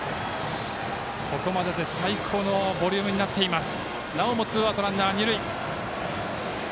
ここまでで最高のボリュームになっています。